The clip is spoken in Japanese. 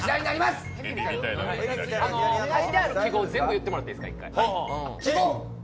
書いてある記号、全部言ってもらっていいですか。